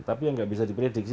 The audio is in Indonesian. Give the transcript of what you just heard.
tapi yang nggak bisa diprediksi